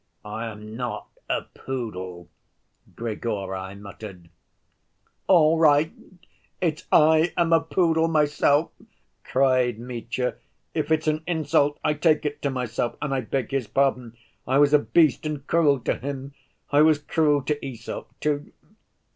"I am not a poodle," Grigory muttered. "All right, it's I am a poodle myself," cried Mitya. "If it's an insult, I take it to myself and I beg his pardon. I was a beast and cruel to him. I was cruel to Æsop too."